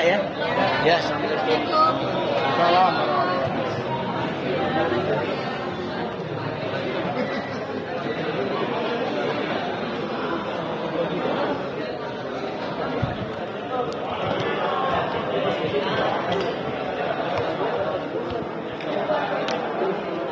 ya datanglah insya allah asal sehat ya